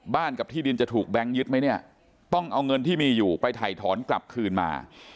กับที่ดินจะถูกแบงค์ยึดไหมเนี่ยต้องเอาเงินที่มีอยู่ไปถ่ายถอนกลับคืนมา